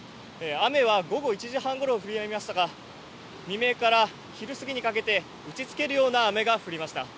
雨は午後１時半ごろ、降りやみましたが、未明から昼過ぎにかけて、打ちつけるような雨が降りました。